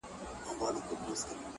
خو دوى يې د مريد غمى د پير پر مخ گنډلی.